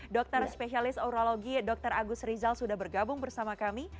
dokter spesialis orologi dr agus rizal sudah bergabung bersama kami